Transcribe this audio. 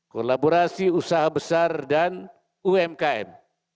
kolaborasi usaha besar dan umkm